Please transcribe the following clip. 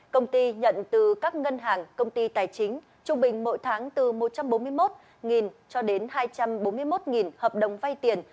công ty nhận từ các ngân hàng công ty tài chính trung bình mỗi tháng từ một trăm bốn mươi một cho đến hai trăm bốn mươi một hợp đồng vay tiền